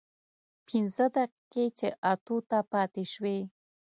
پينځه دقيقې چې اتو ته پاتې سوې.